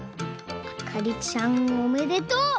あかりちゃんおめでとう！